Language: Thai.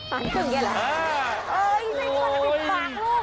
ทานครึ่งเกี่ยวเหรอ